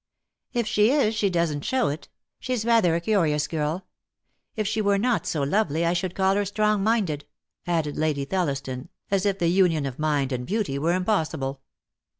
"If she is she doesn't show it. She's rather a curious girl. If she were not so lovely I should call her strong minded," added Lady Thelliston, as if the union of mind and beauty were impossible.